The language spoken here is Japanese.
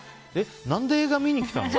何で映画見に来たの？